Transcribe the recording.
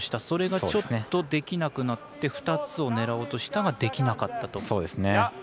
それがちょっとできなくなって２つを狙おうとしたができなかったと。